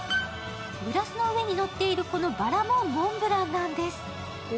グラスの上に乗っているこのバラもモンブランなんです。